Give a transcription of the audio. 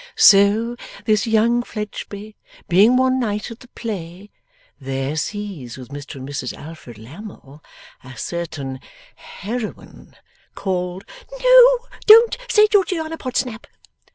So this young Fledgeby, being one night at the play, there sees with Mr and Mrs Alfred Lammle, a certain heroine called ' 'No, don't say Georgiana Podsnap!